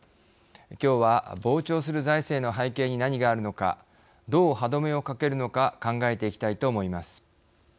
きょうは膨張する財政の背景に何があるのかどう歯止めをかけるのか考えていきたいと思います。